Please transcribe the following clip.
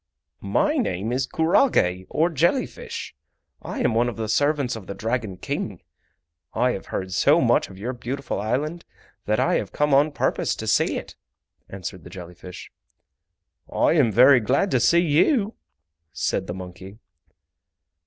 "My name is kurage or jelly fish. I am one of the servants of the Dragon King. I have heard so much of your beautiful island that I have come on purpose to see it," answered the jelly fish. "I am very glad to see you," said the monkey.